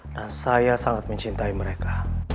dan saya sangat mencintai mereka